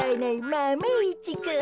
マメ１くん！